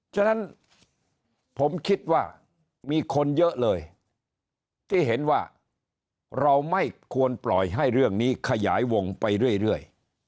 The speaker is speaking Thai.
ฉะนั้นผมคิดว่ามีคนเยอะเลยที่เห็นว่าเราไม่ควรปล่อยให้เรื่องนี้ขยายวงไปเรื่อย